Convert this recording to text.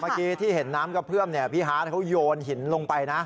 เมื่อกี้ที่เห็นน้ำกระเพื่อมพี่ฮาร์ดเขาโยนหินลงไปนะ